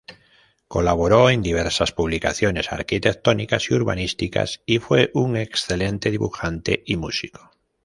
Colaboró en diversas publicaciones arquitectónicas y urbanísticas y fue un excelente dibujante y músico.